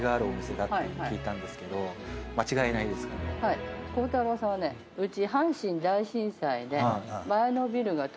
はい鋼太郎さんはねうち。